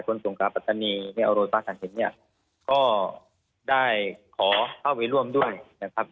การปรัฒนีเนี่ยเอาโรศาสตร์ทางเห็นเนี่ยก็ได้ขอเข้าไปร่วมด้วยนะครับ